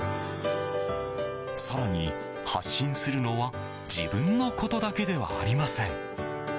更に発信するのは自分のことだけではありません。